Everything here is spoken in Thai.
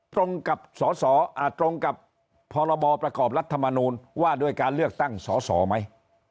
ตรงกับสอสอตรงกับพรบประกอบรัฐมนูลว่าด้วยการเลือกตั้งสอสอไหม